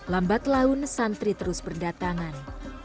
lambat laun santri terus berdatangan